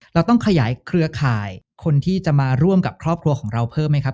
เราต้องขยายเครือข่ายคนที่จะมาร่วมกับครอบครัวของเราเพิ่มไหมครับ